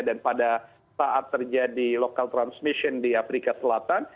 dan pada saat terjadi local transmission di afrika selatan